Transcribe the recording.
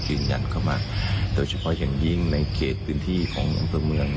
ยืนยันเข้ามาโดยเฉพาะอย่างยิ่งในเขตพื้นที่ของอำเภอเมือง